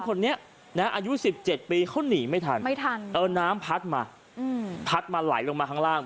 คนนี้อายุ๑๗ปีเขาหนีไม่ทันน้ำพัดมาพัดมาไหลลงมาข้างล่าง